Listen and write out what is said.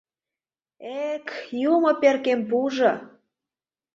Эк, юмо перкем пуыжо!